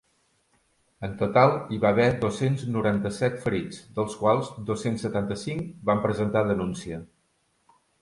En total hi va haver dos-cents noranta-set ferits, dels quals dos-cents setanta-cinc van presentar denúncia.